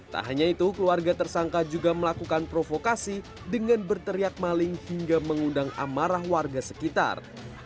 tak hanya itu keluarga tersangka juga melakukan provokasi dengan berteriak maling hingga mengundang amarah warga sekitar